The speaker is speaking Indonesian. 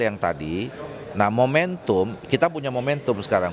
yang tadi nah momentum kita punya momentum sekarang